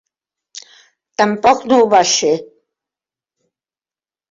Tampoc no ho va ser.